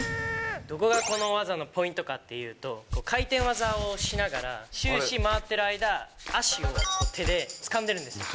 どこがこの技のポイントかというと回転技をしながら終始、回っている間足を手でつかんでいるんですよ。